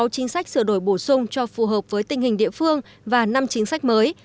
sáu chính sách sửa đổi bổ sung cho phù hợp với tình hình địa phương và năm chính sách mới